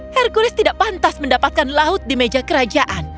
hercules tidak pantas mendapatkan laut di meja kerajaan